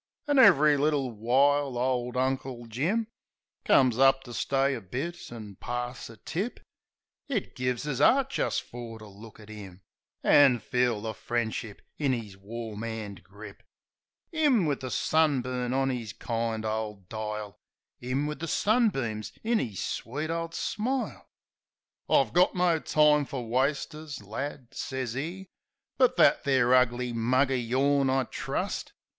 An' ev'ry little while ole Uncle Jim Comes up to stay a bit an' pass a tip. It gives us 'eart jist fer to look at 'im, An' feel the friendship in 'is warm 'and grip. 'Im, wiv the sunburn on 'is kind ole dile; 'Im, wiv the sunbeams in 'is sweet ole smile. "I got no time fer wasters, lad," sez 'e, "But that there ugly mug o' yourn I trust."